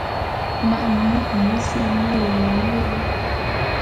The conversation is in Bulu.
Man me nku mese m'aye yeme wo.